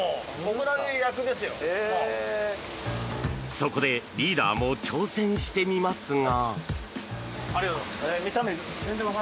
そこで、リーダーも挑戦してみますが。